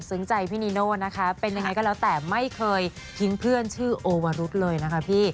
ใจพี่นีโน่นะคะเป็นยังไงก็แล้วแต่ไม่เคยทิ้งเพื่อนชื่อโอวรุษเลยนะคะพี่